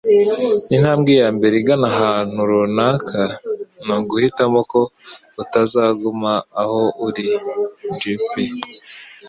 Intambwe yambere igana ahantu runaka ni uguhitamo ko utazaguma aho uri -- JP